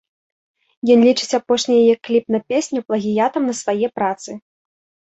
Ён лічыць апошні яе кліп на песню плагіятам на свае працы.